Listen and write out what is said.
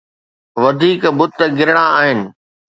وڌيڪ بت گرڻا آهن.